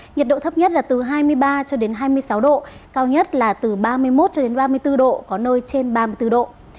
nhiệt độ thấp nhất là từ hai mươi ba hai mươi sáu độ cao nhất là từ ba mươi một ba mươi bốn độ có nơi trên ba mươi bốn độ